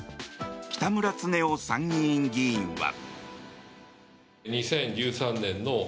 北村経夫参院議員は。